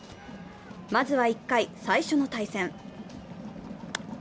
まずは１回、最初の対戦。